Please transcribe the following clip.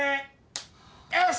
よし！